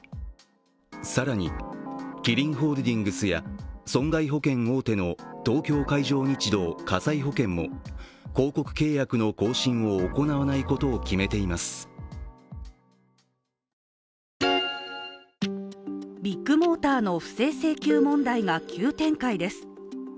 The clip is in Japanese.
更に、キリンホールディングスや損害保険大手の東京海上日動火災保険も広告契約の更新を行わないことを決めていますビッグモーターの不正請求問題が急展開です。